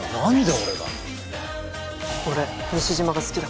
俺西島が好きだ。